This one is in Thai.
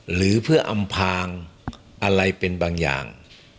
หรือเพื่ออำพางอะไรเป็นบางอย่าง